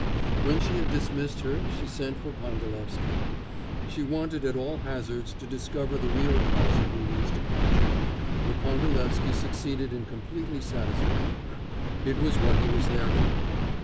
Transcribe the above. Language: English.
When she had dismissed her she sent for Pandalevsky. She wanted at all hazards to discover the real cause of Rudin's departure... but Pandalevsky succeeded in completely satisfying her. It was what he was there for.